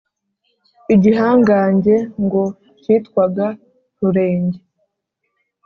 igihangange ngo cyitwaga rurenge.